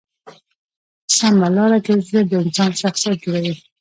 په سمه لاره گرځېدل د انسان شخصیت جوړوي.